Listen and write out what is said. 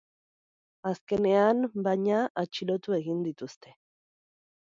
Azkenean, baina, atxilotu egin dituzte.